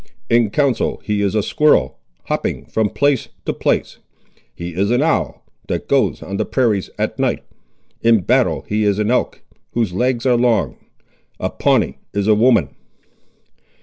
In counsel he is a squirrel, hopping from place to place; he is an owl, that goes on the prairies at night; in battle he is an elk, whose legs are long. A Pawnee is a woman."